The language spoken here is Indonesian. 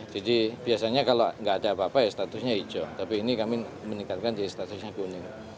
jadi biasanya kalau tidak ada apa apa ya statusnya hijau tapi ini kami meningkatkan jadi statusnya kuning